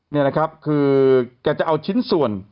นี่นะครับคือแกจะเอาชิ้นส่วน